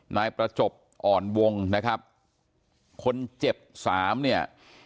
นายประจบอ่อนวงนะครับคนเจ็บสามเนี่ย